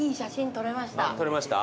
撮れました？